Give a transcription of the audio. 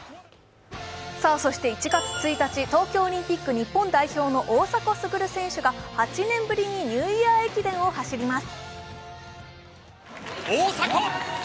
１月１日、東京オリンピックのマラソン日本代表、大迫傑選手が８年ぶりにニューイヤー駅伝を走ります。